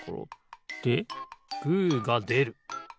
でグーがでる。